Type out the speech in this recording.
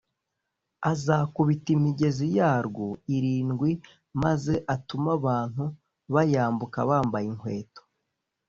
Azakubita imigezi yarwo irindwi maze atume abantu bayambuka bambaye inkweto